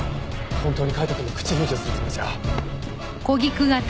本当に海斗くんの口封じをするつもりじゃ！？